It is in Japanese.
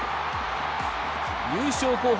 優勝候補